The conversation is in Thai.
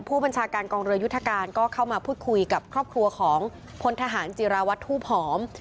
ผู้บัญชาการกองเรือยุทธการก็เข้ามาพูดคุยกับครอบครัวของพลทหารจิราวัตรทูบหอม